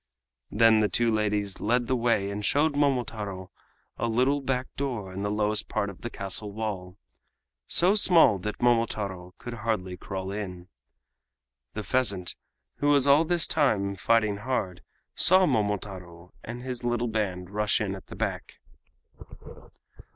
Then the two ladies led the way and showed Momotaro a little back door in the lowest part of the castle wall—so small that Momotaro could hardly crawl in. The pheasant, who was all this time fighting hard, saw Momotaro and his little band rush in at the back.